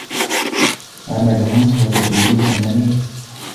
عملهم هو تجميل الفنانين.